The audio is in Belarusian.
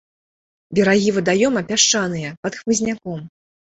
Берагі вадаёма пясчаныя, пад хмызняком.